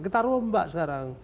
kita rombak sekarang